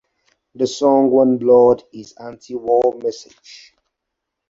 The song "One Blood" is an anti-war message.